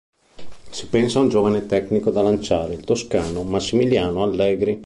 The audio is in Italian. Si pensa ad un giovane tecnico da lanciare: il toscano Massimiliano Allegri.